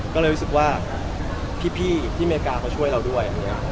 ก็เลยรู้สึกว่าพี่ที่อเมริกาเขาช่วยเราด้วย